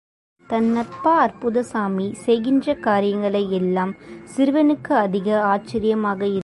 தன் அப்பா அற்புதசாமி செய்கின்ற காரியங்கள் எல்லாம், சிறுவனுக்கு அதிக ஆச்சரியமாக இருந்தது.